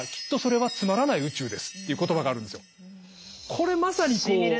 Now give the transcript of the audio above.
これまさにこう。